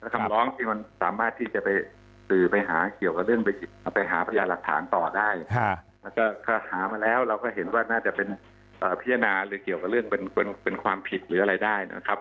คำร้องที่มันสามารถที่จะไปสื่อไปหาเกี่ยวกับเรื่องไปหาพยานหลักฐานต่อได้แล้วก็ถ้าหามาแล้วเราก็เห็นว่าน่าจะเป็นพิจารณาหรือเกี่ยวกับเรื่องเป็นความผิดหรืออะไรได้นะครับ